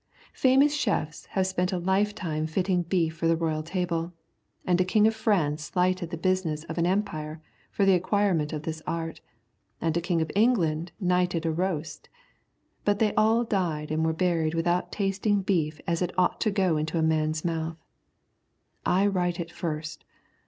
Famous chefs have spent a lifetime fitting beef for the royal table, and a king of France slighted the business of an empire for the acquirement of this art, and a king of England knighted a roast; but they all died and were buried without tasting beef as it ought to go into a man's mouth. I write it first.